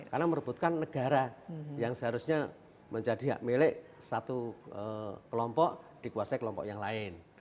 karena merebutkan negara yang seharusnya menjadi hak milik satu kelompok dikuasai kelompok yang lain